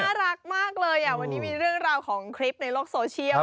น่ารักมากเลยอ่ะวันนี้มีเรื่องราวของคลิปในโลกโซเชียล